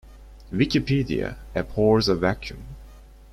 Wikipedia abhors a vacuum.